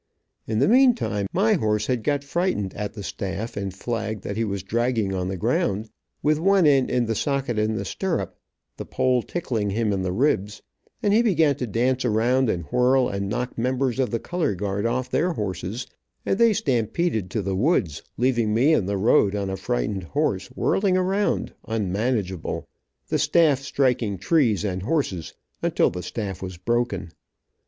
In the meantime my horse had got frightened at the staff and flag that was dragging on the ground, with one end in the socket in the stirrup, the pole tickling him in the ribs, and he began to dance around, and whirl, and knock members of the color guard off their horses, and they stampeded to the woods leaving me in the road, on a frightened horse, whirliing around, unmanageable, the start striking trees and horses, until the staff was broken.